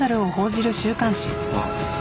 あっ。